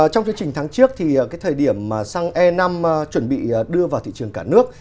trong chương trình tháng trước thì cái thời điểm mà xăng e năm chuẩn bị đưa vào thị trường cả nước